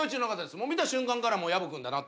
もう見た瞬間から薮君だなと。